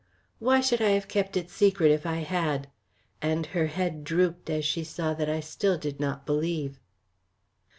Why should I have kept it secret if I had?" and her head drooped as she saw that still I did not believe.